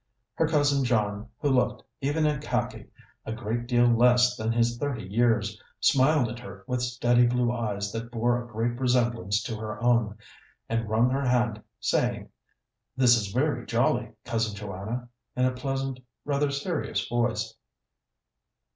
Her cousin John, who looked, even in khaki, a great deal less than his thirty years, smiled at her with steady blue eyes that bore a great resemblance to her own, and wrung her hand, saying, "This is very jolly, Cousin Joanna," in a pleasant, rather serious voice.